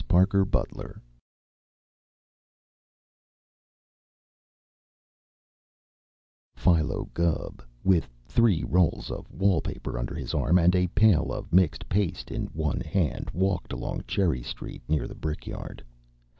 THE CHICKEN Philo Gubb, with three rolls of wall paper under his arm and a pail of mixed paste in one hand, walked along Cherry Street near the brick yard.